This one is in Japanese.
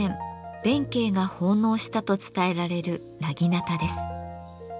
弁慶が奉納したと伝えられる薙刀です。